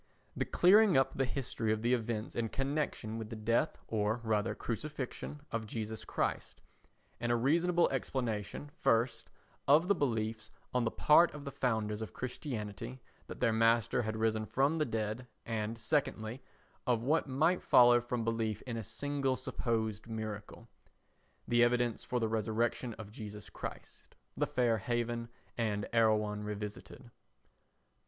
The clearing up the history of the events in connection with the death, or rather crucifixion, of Jesus Christ; and a reasonable explanation, first, of the belief on the part of the founders of Christianity that their master had risen from the dead and, secondly, of what might follow from belief in a single supposed miracle. [The Evidence for the Resurrection of Jesus Christ, The Fair Haven and Erewhon Revisited.] 4.